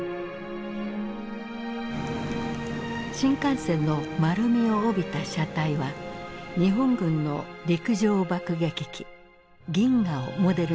新幹線の丸みを帯びた車体は日本軍の陸上爆撃機銀河をモデルにしてつくられた。